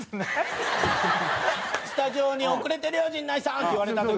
スタジオに遅れてるよ陣内さんって言われた時。